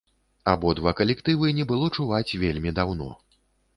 Абодва калектывы не было чуваць вельмі даўно.